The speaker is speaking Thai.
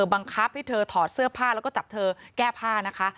บังคับให้เธอถอดเสื้อผ้าแล้วก็จับเธอแก้ผ้านะคะ